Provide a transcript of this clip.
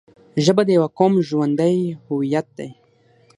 ژبه د یوه قوم ژوندی هویت دی